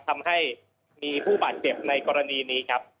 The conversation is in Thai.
ทำให้มีผู้บาดเจ็บในกรณีนี้ครับ